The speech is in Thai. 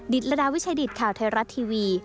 ดิดละดาวิชาดิดข่าวไทยรัฐทีวี